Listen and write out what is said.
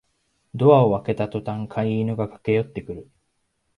ドアを開けたとたん飼い犬が駆けよってくる